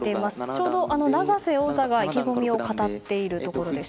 ちょうど永瀬王座が意気込みを語っているところです。